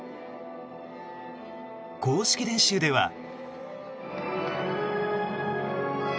公式練習では。